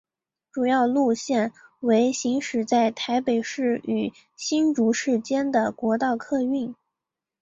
主要路线为行驶在台北市与新竹市间的国道客运。